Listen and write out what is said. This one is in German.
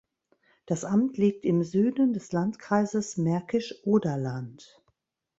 Das Amt liegt im Süden des Landkreises Märkisch-Oderland.